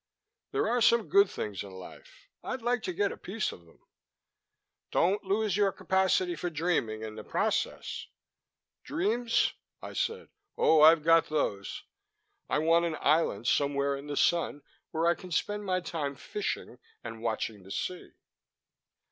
"There are some good things in life; I'd like to get a piece of them." "Don't lose your capacity for dreaming, in the process." "Dreams?" I said. "Oh, I've got those. I want an island somewhere in the sun, where I can spend my time fishing and watching the sea."